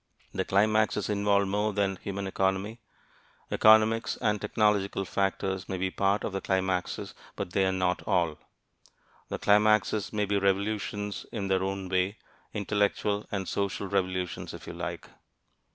The climaxes involve more than human economy. Economics and technological factors may be part of the climaxes, but they are not all. The climaxes may be revolutions in their own way, intellectual and social revolutions if you like.